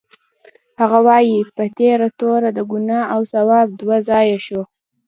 هغه وایي: په تېره توره د ګناه او ثواب دوه ځایه شو.